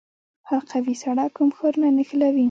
حلقوي سړک کوم ښارونه نښلوي؟